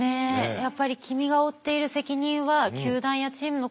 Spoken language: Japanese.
やっぱり「君が負っている責任は球団やチームのことだけじゃない。